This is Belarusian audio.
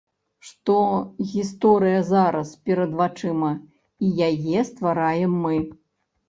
Што гісторыя зараз, перад вачыма, і яе ствараем мы.